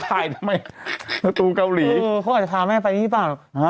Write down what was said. ถ่ายทำไมสตูเกาหลีอืมเขาอาจจะพาแม่ไปที่บ้านหรือเปล่า